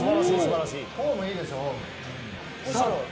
フォーム、いいですよ。